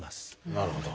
なるほど。